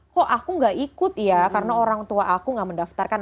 kok aku nggak ikut ya karena orang tua aku nggak mendaftarkan